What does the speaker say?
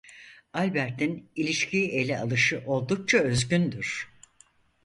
Albert'in ilişkiyi ele alışı oldukça özgündür.